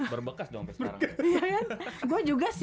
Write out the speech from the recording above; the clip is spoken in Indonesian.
berbekas dong sampe sekarang